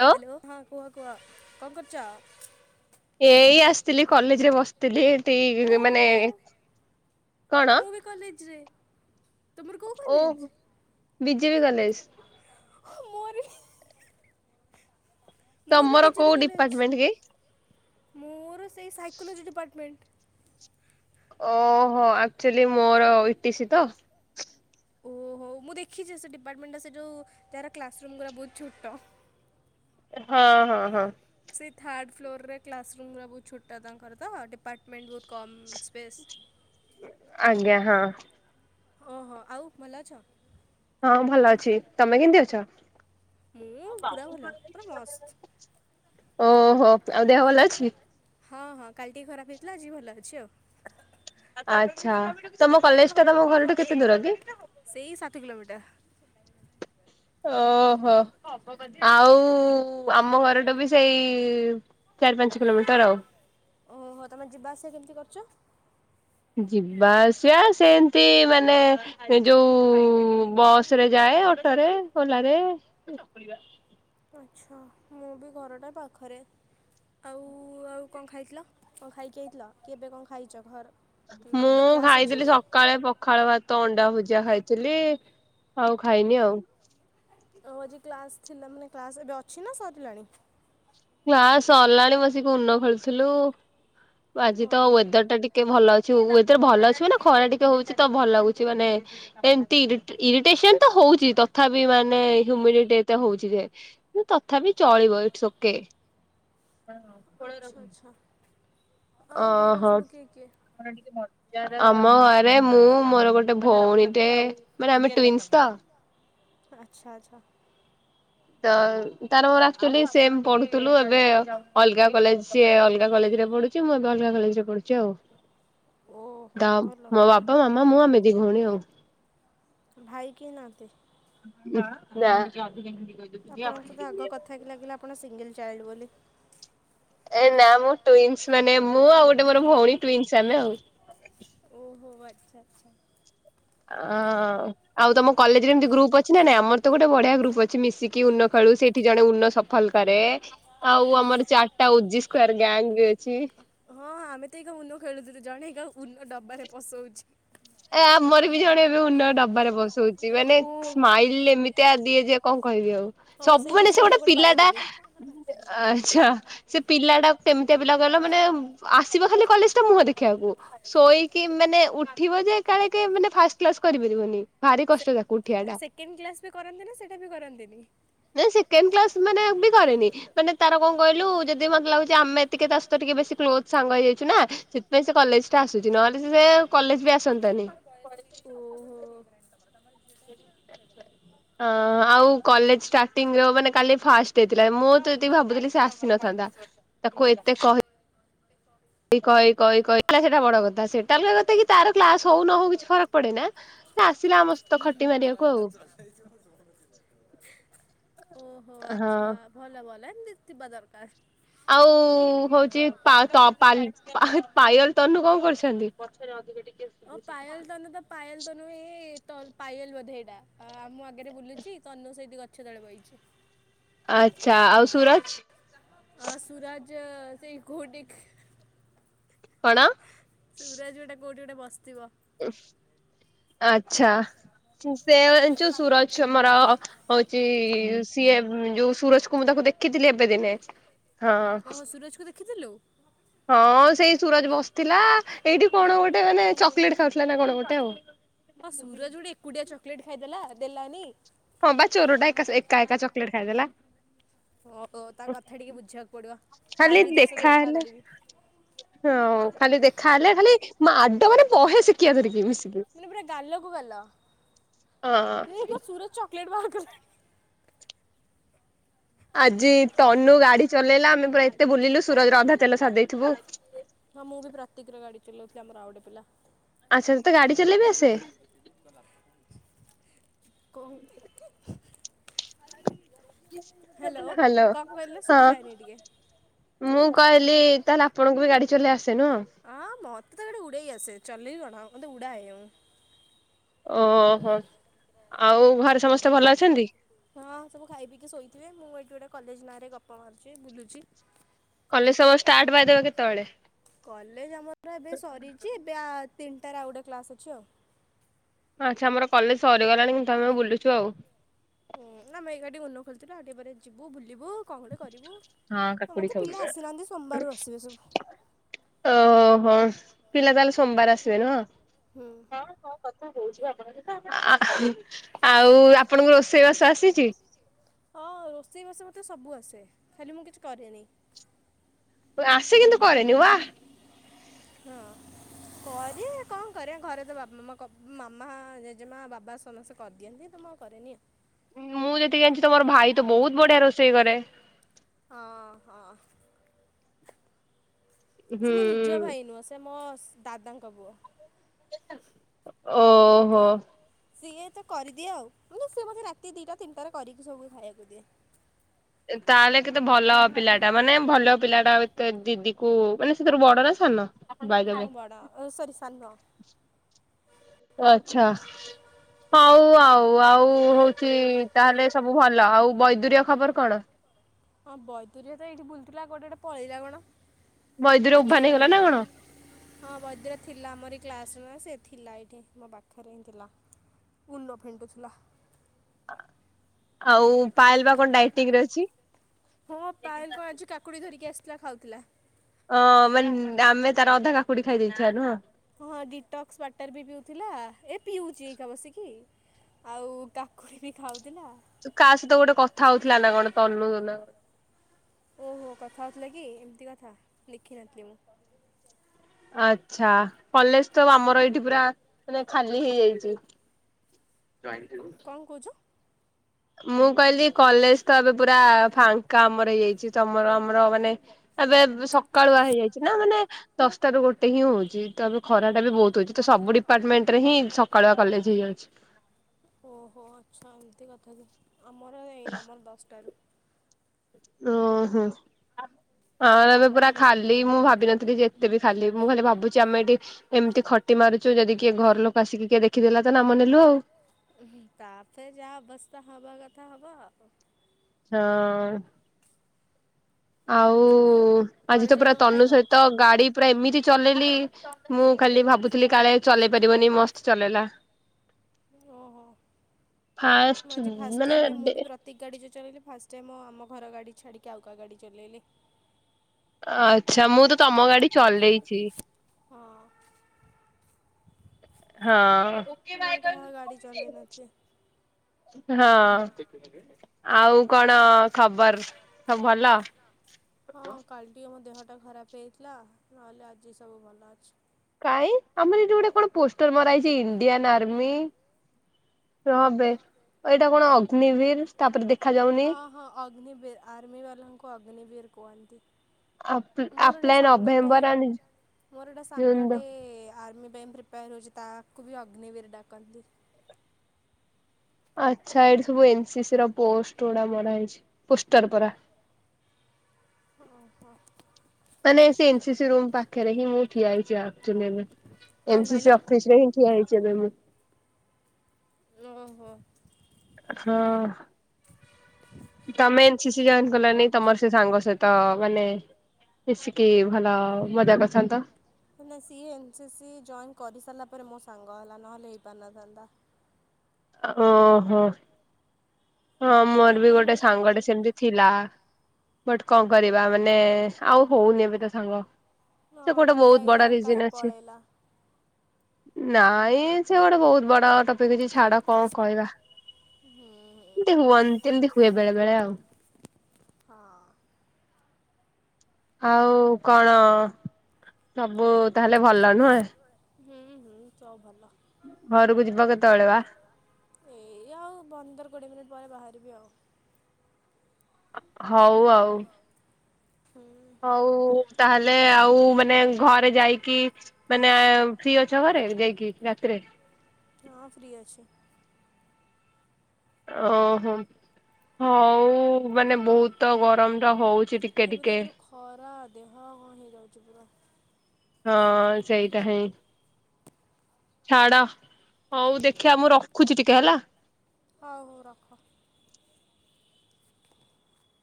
Hello hello. ଏଇ ଆସିଥିଲି college ରେ ବସିଥିଲି ଓ ଏଠି ମାନେ କଣ [unintelligible] କଲେଜ୍ ରେ। ଓ ବିଜେପି କଲେଜ୍। [unintelligible] ମୋର୍ ବି ତମର ବିଜେପି କୋଉ କଲେଜ୍ ଡିପାର୍ଟମେଣ୍ଟ କି? ମୋର ସେଇ ସାଇକୋଲୋଜି ଡିପାର୍ଟମେଣ୍ଟ୍। ଓହୋ ଆକ୍ଚୁଆଲି ମୋର ଇଟିଶି ତ। ଓହୋ ମୁଁ ଦେଖିଚି ସେ ଡିପାର୍ଟମେଣ୍ଟ୍ ସେ ଯଉ ତାର କ୍ଲାସ୍ ରୁମ୍ ଗୁଡ଼ା ବହୁତ୍ ଛୋଟ। ହଁ- ହଁ- ହଁ। ସେଇ ଥାର୍ଡ଼ ଫ୍ଲୋର୍ ରେ କ୍ଲାସ୍ ରୁମ୍ ରା ବହୁତ୍ ଛୋଟ ତାଙ୍କର ତ ଡିପାର୍ଟମେଣ୍ଟ୍ ବହୁତ କମ୍ ସ୍ପେସ୍ ଆଜ୍ଞା ହଁ। ଓହୋ ଆଉ ଭଲ ଅଛ? ହଁ ଭଲ ଅଛି। ତମେ କେମିତି ଅଛ? ମୁଁ ପୁରା ଭଲ ପୁରା ମସ୍ତ୍। ଓହୋ ଆଉ ଦେହ ଭଲ ଅଛି? ହଁ ହଁ କାଲି ଟିକେ ଖରାପ ହେଇଥିଲା ଆଜି ଭଲ ଅଛି ଆଉ। ଆଚ୍ଛା ତମ କଲେଜ ଟା ତମ ଘରଠୁ କେତେ ଦୂର କି? ସେଇ ସାତ କିଲୋମିଟର। ଓହୋ। ଆଉ ଆମ ଘରଟା ବି ସେଇ ଚାରି ପାଞ୍ଚ କିଲୋମିଟର ଆଉ। ଓହୋ ତମେ ଯିବା ଆସିବା କେମିତି କରୁଛ? ଯିବା ଆସିବା ସେମତି ମାନେ ସେ ଯୋଉ ବସ ରେ ଯାଏ ଅଟୋରେ ଓଲା ରେ ଆଚ୍ଛା ମୁଁ ବି ଘରଟା ପାଖରେ ଆଉ ଆଉ କଣ ଖାଇଥିଲ କଣ ଖାଇକି ଆଇଥିଲ କି ଏବେ କଣ ଖାଇଛ ଘର କିଲ ମୁଁ ଏବେ କ୍ଲାସ ଅଛି? ଖାଇଥିଲି ସକାଳେ ପଖାଳ ଭାତ ଅଣ୍ଡା ଭୁଜିଆ ଖାଇଥିଲି ଆଉ ଖାଇନି ଆଉ। ଆଉ ଆଜି କ୍ଲାସ ଥିଲା ମାନେ କ୍ଲାସ ଏବେ ଅଛି ନା ସରିଲାଣି? ନା ସରିଲାଣି ବସିକି ଉନ ଖେଳୁଥିଲୁ ଓ ଆଜି ତ ଆମ ୱେଦର ଟା ଟିକ କେ ଭଲ ଅଛି ୱେଦର ଭଲ ଅଛି ମାନେ ଖରା ଟିକେ ହଉଛି ତ ଭଲ ଲାଗୁଛି ମାନେ ଏମତି ଇରିଟ ଇରିଟେସନ ତ ହଉଛି ତଥାପି ମାନେ ହ୍ୟୁମିଡିଟି ଏତେ ହଉଛି ଯେ ତଥାପି ଚଳିବ ଇଟସ ଓକେ। ଆଚ୍ଛା ଆଚ୍ଛା। ଆଉ ଓ ଘରେ ହୋ ସବୁ କିଏ କିଏ [unintelligible] ଆମ ଘରେ ମୁଁ ମୋର ଗୋଟେ ଭଉଣୀ ଟେ ମାନେ ଆମେ ଟୁଇଁଷ ତ ଆଚ୍ଛା ଆଚ୍ଛା। ତ ତାର ମୋର ଆଚୁଆଲି ସେ ପଢୁଥିଲୁ ଏବେ ଅଲଗା କଲେଜ ସିଏ ଅଲଗା କଲେଜରେ ପଢୁ ଚି ମୁଁ ଏବେ ଅଲଗା କଲେଜରେ ପଢୁଛି ଆଉ। ଓ। ତମ ମୋ ବାପା ମାମା ମୁଁ ଆମେ ଦି ଭଉଣୀ ଆଉ। ଭାଇ କେହି ନାହାନ୍ତି? [unintelligible] ଆପଣଙ୍କ ସହିତ ଆଗ କଥା ହେଇକି ଲାଗିଲା ଆପଣ ସିଙ୍ଗିଲ ଚାଇଲଡ ବୋଲି। ଏ ନା ମୁଁ ଟୁଇନ୍ସ ମାନେ ମୁଁ ଆଉ ଗୋଟେ ମୋର ଭଉଣୀ ଟଇନ୍ସ ଆମେ ଆଉ। ଓ ଆଚ୍ଛା ଆଚ୍ଛା। ଅଁ ଆଉ ତମ କଲେଜରେ ଏମିତି ଗ୍ରୁପ ଅଛି ନା ନାଇଁ ଆମର ତ ଗୋଟେ ବଢିଆ ଗ୍ରୁପ୍ ଅଛି ମିଶିକି। କି ହଁ ଉନ୍ନ ଖଳୁ ସେ ବ୍ୟକ୍ତି ଜଣେ ଉନ୍ନ ସଫଲ କରେ ଆଉ ଆମର ଚାରିଟା ଓ ଜି ସ୍କୋୟାର ଗ୍ୟାଙ୍ଗ ବି ଅଛି। ହଁ ଆମେ ତ ଏଇାଖା ଉନ ଖେଳୁଥିଲୁ ଜଣେ ଏକା ଉନ ଡବାରେ ପସଉଛି। ଏ ଆମର ବି ଜଣେ ଏବେ ଉନ୍ନ ଡବାରେ ବସଉଛି ମାନେ ଓ ସ୍ମାଇଲ ଏମିତିଆ ଦିଏ ଯିଏ କଣ କହିବି ଆଉ। ହଉ ସେଇ ସବୁବେଳେ ଖୁସିରେ ସେ ମୁଁ ତ ଗୋଟେ ବାଡ଼େଇ ପିଲାଟା ଦେଲି। ଆଛା। ସେ ପିଲା ଟା କେମିତିଆ ପିଲା କହିଲ ମାନେ ଆସିବ ଖାଲି କଲେଜ ଟା ମୁଁହଁ ଦେଖିବାକୁ। ଶୋଇକି ମାନେ ଉଠିବ ଯେ କାଳେ କେ ମାନେ ଫାଷ୍ଟ କ୍ଲାସ କରିପାରିବନି ଭାରି କଷ୍ଟ ତାକୁ। ଉଠିବା ହା ଟା। ସେକେଣ୍ଡ କ୍ଲାସ୍ ବି କରନ୍ତି ନା ସେଇଟା ବି କରନ୍ତିନି? ନା ସେକେଣ୍ଡ କ୍ଲାସ ମାନେ ବି କରେନି। ମାନେ ତାର କଣ କହିଲୁ ଯଦି ମତେ ଲାଗୁଛି ଆମେତିକେ ତା ସହିତ ଟିକେ ବେଶୀ କ୍ଲୋଜ ସାଙ୍ଗ ହେଇଯାଇଛୁ ନା ସେଥିପାଇଁ ସେ କଲେଜ ଟା ଆସୁଛି ନହେଲେ ସେ ସେ କଲେଜ ବି ଆସନ୍ତାନି। ଓହୋ। [inaudible] ହଁ ଆଉ କଲେଜ ଷ୍ଟାଟିଙ୍ଗ ର ମାନେ କାଲି ଫାଷ୍ଟ ଡେ ଥିଲା ମୁଁ ଯେତିକି ଭାବୁଥିଲି ସେ ଆସ ନଥାନ୍ତା ତାକୁ ଏତେ କହି କହି କହି ସେଇଟା ବଡ କଥା ସେଟାଗ କଥା କି ତାର କ୍ଲାସ ହଉ ନ ହଉ କିଛି ଫରକ ପଡେନା। ମାନେ ଆସିଲା ଆମ ସହ ଓହୋ ହଁ ଆଚ୍ଛା ଭଲ ଭଲ ଏମିତି ଥିବା ଦରକାର ଆଉ ହଉଛି ପା ତ ପାଲି ପା ପାୟଲ ତନୁ କଣ କରିଛନ୍ତି। ଓ ପାୟଲ ତନୁ ତ ପାଏଲ ତ ନୁହେଁ ତ ପାଏଲ ବୋଧେ ଏଇଟା ଆମଁ ଆଗରେ ବୁଲୁଛି ତନ ସେଇଠି ଗଛ ତଳେ ବଇଛି। ଆଚ୍ଛା ଆଉ ସୁରଜ ଅ ସୁରଜ ସେଇ ଖୋଟି କଣ ସୁରଜ ଗୋଟା କେଉଁଠି ଗୋଟେ ବସ୍ ଥିବ। ଆଚ୍ଛା ସେ ଯୋ ସୁରଜ ଆମର ହଉଛି ସିଏ ଯୋଉ ସୁରଜ କୁମ ତାକୁ ଦେଖିଥିଲି ଏବେ ଦିନେ। ହଁ ଓହୋ ସୁରଜକୁ ଦେଖିଥିଲୁ? ହଁ ସେଇ ସୁରଜ ବସିଥିଲା ଏଇଠି କଣ ଗୋଟେ ମାନେ ଚକ୍ଲେଟ ଖାଉଥିଲା ନା କଣ ଗଟେ ଆଉ ହଁ ସୁରଜ ଗୋଟେ ଏକୁଟିଆ ଚକୋଲେଟ ଖାଇଦେଲା ଦେଲାନି। ହଁ ବା ଚୋରଟା ଏକା ଏକା ଏକା ଚକଲେଟ ଖାଇ ଦେଲା। ଓହୋ ତା କଥା ଟିକେ ବୁଝିବାକୁ ପଡିବ ଖାଲି କାଲି ତା ସହିତ ଦେଖା ହେଲେ କରିବି। ହଁ ଖାଲି ଦେଖା ହେଲେ ଖାଲି ମାଡ ମାନେ ବହେ ଶିଖିବା ଧରିକି ମିଶିକି। ମାନେ ପୁରା ଗାଲକୁ ଗାଲ ହଁ ଏକ ସୁରଜ ଚକୋଲେଟ୍ ବାହାର କଲାଣି। ଆଜି ତନୁ ଗାଡି ଚଲେଇଲା ଆମେ ପୁରା ଏତେ ବୁଲିଲୁ ସୁରଜ ଅଧା ତେଲ ସାରି ଦେଇଥିବୁ। ହଁ ମୁଁ ବି ପ୍ରାତିକର ଗାଡି ଚଲାଉଥିଲ ଆମର ଆଉଡେ ପିଲା। ଆଚ୍ଛା ତତେ ଗାଡ଼ି ଚଲେଇ ବି ଆସେ। ବି କଲା [inaudible] ହ୍ୟାଲୋ କଣ କହିଲେ ହଁ ଶୁଭିଲାନି ଟିକେ ମୁଁ କହିଲି ତାହେଲେ ଆପଣଙ୍କୁ ବି ଗାଡି ଚଲେଇ ଆସେ ନୁହଁ। ଆଁ ମତେ ତ ଗାଡ଼ି ଉଡ଼େଇ ଆସେ। ଚଲେଇ କଣ ମୁ ତ ଉଡ଼ାଏ ଉଁ। ଓହୋ ଆଉ ଘରେ ସମସ୍ତେ ଭଲ ଅଛନ୍ତି। ହଁ ସବୁ ଖାଇ ପିକି ଶୋଇଥିବେ ମୁଁ ଏଇଠି ଗୋଟେ କଲେଜ ନାଁରେ ଗପ ମାରୁଛି ବୁଲୁଛି। କଲେଜ ସବ ଷ୍ଟାର୍ଟ ପାଇଦେବ କେତେବେଳେ କଲେଜ ଆମର ଏବେ ସରିଛି ଏବେ ଆ ତିନିଟାରେ ଆଉ ଗୋଟେ କ୍ଲାସ ଅଛି ଆଉ। ଆଚ୍ଛା ଆମର କଲେଜ ସରିଗଲାଣି କିନ୍ତୁ ଆମେ ବୁଲୁଛୁ ଆଉ। ହୁଁ ନା ମାଇ ଗାଡି ମନ ଖୋଲିଥିଲୁ ଆଡେ ବ ଯିବୁ ବୁଲିବୁ। କଣ ଗୋଟେ କରିବୁ, ଆମର ତ ପିଲା ଆସିନାହାନ୍ତି ସୋମବାରରୁ ଆସିବେ ସବୁ। ଓହୋ ହୋ ପିଲା ତାହେଲେ ସୋମବାର ଆସିବେ ନୁହଁ। ହୁଁ। ଆଉ ଆପଣଙ୍କ ରୋଷେଇ ବାସ ଆସିଛି। ହଁ ରୋଷେଇବାଷ ମୋତେ ସବୁ ଆସେ। ଖାଲି ମୁଁ କିଛି କରେନି। ଆସେ କିନ୍ତୁ କରେନି ୱା। ହଁ କରି କଣ କରିବା ଘରେ ତ ବାବା ମାମା କବ ମାମା ଜେଜେମା ବାବା ସମସ୍ତେ କରିଦିଅନ୍ତି ତ ମୁ ଆଉ ପରେ ନିଅ। ମୁଁ ଯେତିକି ଜାଣିଛି ତମୋର ଭାଇ ତ ବହୁତ୍ ବଢିଆ ରୋଷେଇ କରେ। ହଁ -ହଁ। ସେ ହୁଁ ମୋ ନିଜ ଭାଇ ନୁହଁ, ସେ ମୋ ଦାଦାଙ୍କ ପୁଅ। ଓହୋ। ସିଏ ତ କରିଦିଏ ଆଉ, ମୁଁ ସିଏ ମତେ ରାତି ଦିଇଟା ତିନିଟାରେ କରିକି ସବୁ ଖାଇବାକୁ ଦିଏ। ତାହେଲେ କେତେ ଭଲ ପିଲା ଟା ମାନେ ଭଲ ପିଲାଟା ଏତେ ଦିଦି କୁ ମାନେ ସେଏ ବଡ ନାଁ ସାନ। ବାଇଦବେ ହୁଁ ବଡ ଓ ସରି ସାନ। ଆଚ୍ଛା। ହଉ ଆଉ ଆଉ ହୋଉଛି ତାହେଲେ ସବୁ ଭଲ ଆଉ ବୈଦ୍ୟୁରୟ ଖବର କଣ? ହଁ ବୈଦୁର ତ ଏଇଠି ବୁଲୁଥିଲା କୋଉଠି ଗୋଟେ ପଳେଇଲା କଣ ବୈଦୁର ଉଭାନ ହଜିଗଲାଣି ହେଇଗଲା ନା ବୋଧେ। କଣ? ହଁ ବଦ୍ର ଥିଲା ଆମରି କ୍ଲାସ୍ ନୁହେଁ ସେ ଥିଲା ଏଇଠି ମୋ ପାଖରେ ହିଁ ଥିଲା। ଉନ ଫିଣ୍ଟୁଥିଲା। ଆଉ ପାଏଲ ବା କଣ ଡାଇଟିଙ୍ଗ୍ ରେ ଅଛି। ହଁ ପାଏଲ କଣ ଆଜି କାକୁଡି ଧରିକି ଆସିଥିଲା ଖାଉଥିଲା। ଅଁ ମାନେ ଆମେ ତାର ଅଧା କାକୁଡି ଖାଇ ଦେଇେଥିବା ନୁହଁ। ହଁ ଡିଟକ୍ସ୍ ୱାଟର୍ ବି ପିଉଥିଲା, ଏ ପିଉଛି ଏଇକା ବସିକି। ଆଉ କାକୁଡି ବି ଖାଉଥିଲା। କା ସହିତ ଗୋଟେ କଥା ହଉଥିଲା ନାଁ କଣ ତନୁ ନା ଓହୋ କଥା ହୋଉଥିଲା କି ଏମିତି କଥା ଲେଖିନଥିଲି ମୁଁ। ଆଛା କଲେଜ୍ ତ ଆମର ଏଇଠି ପୁରା ମାନେ ଖାଲି ହେଇଯାଇଛି। ଗାଡି ଚାଲୁଛି। କଣ କହୁଚୁ? ମୁଁ କହିଲି କଲେଜ୍ ତ ଏବେ ପୁରା ଫାଙ୍କା ଆମର ହେଇଯାଇଛି, ତମର ଆମର ମାନେ ଏବେ ସକାଳୁଆ ହେଇଯାଇଛି ନାଁ ମାନେ ଦଶଟାରୁ ଗୋଟେ ହିଁ ହୋଉଛି ତ ଏବେ ଖରାଟା ବି ବହୁତ୍ ହୋଉଛି ତ ସବୁ ଡିପାର୍ଟମେଣ୍ଟ୍ ରେ ହିଁ ସକାଳୁଆ କଲେଜ୍ ହେଇଯାଉଛି। ଓହୋ ଆଚ୍ଛା ଏମିତି କଥାକି ଆମର ଏଇନି ଆମର ଦଶ୍ ଟାରୁ। ଉଁ ହୁଁ। ହଁ ଏବେ ପୁରା ଖାଲି ମୁଁ ଭାବିିନଥିଲି ଯେ ଏତେ ବି ଖାଲି ମୁଁ ଖାଲି ଭାବୁଛି ଆମେ ଏଠି ଏମିତି ଖଟି ମାରୁଛୁ ଯଦି କିଏ ଘର ଲୋକ ଆସିକି କିଏ ଦେଖିଦେଲା ତ ନାମ ନେଲୁ ଆଉ। ତାପରେ ଯାହା ଅବସ୍ଥା ହବା କଥା ହବ। ହଁ ଆଉ ଆଜି ଘରେ ତ ଯାଇ ପୁରା କଣ ତନୁ ଖାଇବ? ସହିତ ଗାଡି ପୁରା ଏମିତି ଚଲେଇଲି ମୁଁ ଖାଲି ଭାବୁଥିଲି କାଳେ ଚଲେଇ ପାରିବନି ମସ୍ତ୍ ଚଲେଇଲା। ଓହୋ। ଫାଷ୍ଟ୍ ମାନେ ଏ ଗାଡି ଯୋଉଁ ଚଲେଇଲି ଫାଷ୍ଟ୍ ଟାଇମ୍ ଆମ ଘର ଗାଡି ଛାଡିକି ଆଉ କାହା ଗାଡି ଚଲେଇଲି। ଆଚ୍ଛା ମୁଁ ତ ତମ ଗାଡି ଚଲେଇଚି। ହଁ। ହଁ। ମୁଁ କାହା ଗାଡ଼ି ଚଲେଇ ନଥିଲି। ହଁ ଆଉ କଣ ଖବର୍ ସବୁ ଭଲ। ହଁ କାଲି ଟିକେ ମୋ ଦେହଟା ଖରାପ୍ ହେଇଥିଲା ନହେଲେ ଆଜି ସବୁ ଭଲ ଅଛି। କାଇଁ ଆମର ଏଇଠି ଗୋଟେ କଣ ପୋଷ୍ଟର ମରାଇଛି ଇଡିଆନ୍ ଆର୍ ମମି ଏଇଟା କଣ ଅଗ୍ନିବୀର୍। ତାପରେ ଦେଖାଯାଉ ହଁ- ହଁ ଅଗ୍ନିବୀର୍ ଆର୍ମି ବାଲାଙ୍କୁ ଅଗ୍ନିବୀର୍ କୁହନ୍ତି। ଆପ ମୋର ଗୋଟେ ଆପ୍ଲାଏ ସାଙ୍ଗଟେ ନଭେମ୍ବର ଆଣ୍ଡ ମୋର ଗୋଟେ ଜୁନ ଦ ସାଙ୍ଗଟେ ଆର୍ମି ଟେନ୍ଥେ କଣ କହୁଚ ତାକୁବି ଅଗ୍ନିବିର୍ ଡ଼ାକନ୍ତି। ଆଚ୍ଛା ଏଇଠି ସବୁ ଏନସିସି ର ପୋଷ୍ଟ ଗୁଡା ମରା ହେଇଚି ପୋଷ୍ଟର ପରା। ଅହ। ମାନେ ସେଇ ଏନ୍ ସି ସି ରୁମ୍ ପାଖରେ ହିଁ ମୁଁ ଠିଆ ହେଇଚି। [unintelligible] କଣ ଏନ ସି କହିଲ? ସି ଅଫିସରେ ହିଁ ଠିଆ ହେଇଚି ଏବେ ମୁଁ। ଓହୋ। ହଁ। ତମେ ଏନ ସି ସି ଜଏନ୍‌ କଲନି ତମର ସେ ସାଙ୍ଗ ସହିତ ମାନେ ମିଶିକି ଭଲ ମଜା କରିଥାନ୍ତ। ନା ସିଏ ଏନ୍ ସି ସି ଜଏନ୍ କରିସାରିଲା ପରେ ମୋ ସାଙ୍ଗ ହେଲା ନହେଲେ ହେଇପାରିନଥାନ୍ତା। ଓହୋ ହଁ ଓ ମୋର ବି ତାପରେ ମୁଁ ଗୋଟେ ସାଙ୍ଗଟେ ସେ ସେମିତି ଥିଲା ବଟ୍ କଣ କରିବା ମାନେ ଆଉ ହୋଉନି ଏବେ ତା ସାଙ୍ଗ। ସେ ହଁ ଗୋଟେ ମୋତେ ବହୁତ ଲାଗିଲା ବଡ଼ କାଳେ ରିଜନ୍‌ ଅଛି। ପଳେଇଲା ନାଇଁ ସେ ଗୋଟେ ବହୁତ ବଡ଼ ଟପିକ୍ ଅଛି ଛା କଣ କହିବା ହୁଁ ହୁଁ ଏମତି ହୁଅନ୍ତି ଏମିତି ହୁଏ ବେଳେ ବେଳେ ଆଉ। ହଁ। ଆଉ କଣ ସବୁ ତାହେଲେ ଭଲ ନୁହେଁ। ହୁଁ ହୁଁ ଚ ଭଲ। ଘରକୁ ଯିବା କେତେବେଳେ ବା। ଏଇ ଆଉ ପନ୍ଦର କୋଡ଼ିଏ ମିନିଟ୍ ପରେ ବାହାରିବି ଆଉ। ହୋଉ ଆଉ। ହୁଁ ହୋଉ ତାହେଲେ ଆଉ ମାନେ ଘରେ ଯାଇକି ମାନେ ଫ୍ରି ଅଛ ଘରେ ଯାଇକି ରାତିରେ? ହଁ ଫ୍ରି ଅଛି। ଓହୋ ହୋଉ ମାନେ ବହୁତ ଗରମ ଟା ହୋଉଚି ଟି ଏବେ ତ ଯୋଉ ଖରା ଦେହ କଣ ହେଇଯାଉଚି ପୁରା। ହଁ ସେଇଟା ହିଁ ଛାଡ ହୋଉ ଦେଖିଆ ମୁଁ ରଖୁଚି ଟିକେ ହେଲା। ହୋଉ ହୋଉ ରଖ।